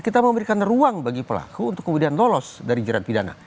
kita memberikan ruang bagi pelaku untuk kemudian lolos dari jerat pidana